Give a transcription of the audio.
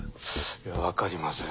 いやわかりません。